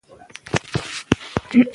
شفيق به په د کار سخته سزا وګوري.